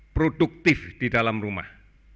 produktif di dalam rumah